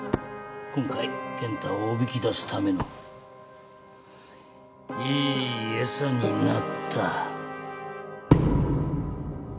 今回健太をおびき出すためのいい餌になった。